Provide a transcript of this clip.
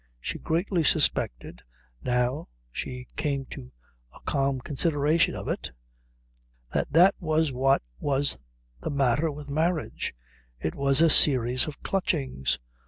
She greatly suspected, now she came to a calm consideration of it, that that was what was the matter with marriage: it was a series of clutchings.